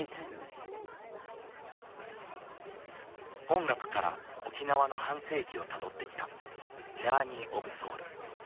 音楽から沖縄の半世紀をたどってきた「ジャーニー・オブ・ソウル」。